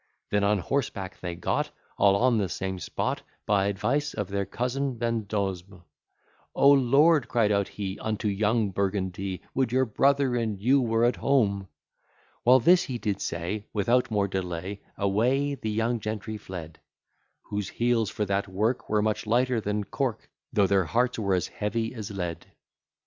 Then on horseback they got All on the same spot, By advice of their cousin Vendosme, O Lord! cried out he, Unto young Burgundy, Would your brother and you were at home! While this he did say, Without more delay, Away the young gentry fled; Whose heels for that work, Were much lighter than cork, Though their hearts were as heavy as lead.